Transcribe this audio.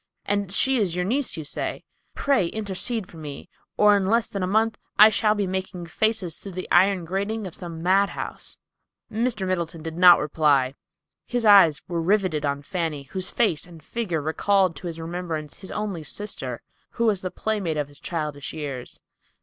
And she is your niece, you say. Pray intercede for me, or in less than a month I shall be making faces through the iron grating of some madhouse." Mr. Middleton did not reply. His eyes were riveted on Fanny, whose face and figure recalled to his remembrance his only sister, who was the playmate of his childish years.